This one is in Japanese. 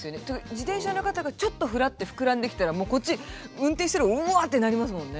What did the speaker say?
自転車の方がちょっとふらって膨らんできたらもうこっち運転してたらうわ！ってなりますもんね。